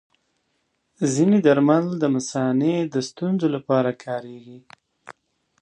ځینې درمل د مثانې د ستونزو لپاره کارېږي.